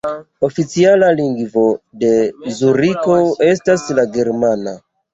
Oficiala lingvo de Zuriko estas la germana.